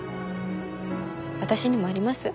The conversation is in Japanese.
私にもあります？